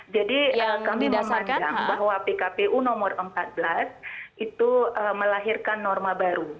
jadi kami memandang bahwa pkpu nomor empat belas itu melahirkan norma baru